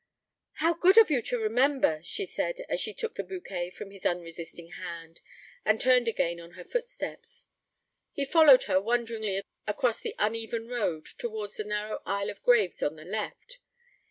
'How good of you to remember!' she said, as she took the bouquet from his unresisting hand, and turned again on her footsteps. He followed her wonderingly across the uneven road towards a narrow aisle of graves on the left.